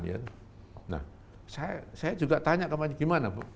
nah saya juga tanya ke pak jokowi gimana pak